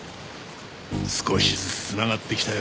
少しずつつながってきたよ